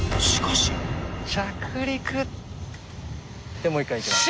でもう一回いきます。